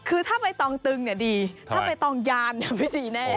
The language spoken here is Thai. คือถ้าใบตองตึงเนี่ยดีถ้าใบตองยานไม่ดีแน่